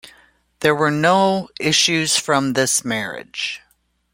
There were no issue from this marriage.